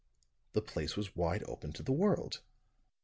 The place was wide open to the world.